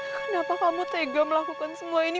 kenapa kamu tega melakukan semua ini